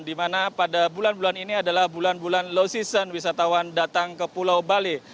di mana pada bulan bulan ini adalah bulan bulan low season wisatawan datang ke pulau bali